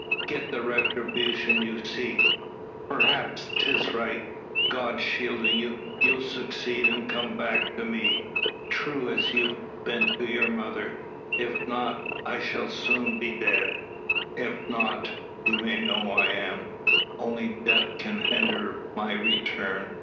Get the retribution you seek. Perhaps 'tis right. God shielding you, you'll succeed, and come back to me, true as you've been to your mother. If not, I shall soon be dead." "If not, you may know I am. Only death can hinder my return.